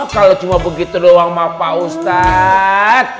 kalau cuma begitu doang sama pak ustadz